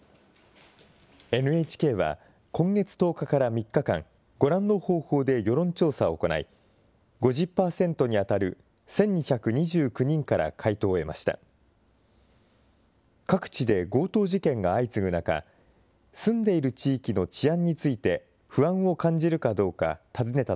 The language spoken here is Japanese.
ＮＨＫは、今月１０日から３日間、ご覧の方法で世論調査を行い、５０％に当たる１２２９人から回答を得ました。